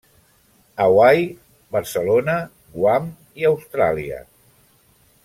Hawaii, Barcelona, Guam i Austràlia.